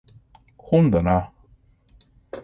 本だな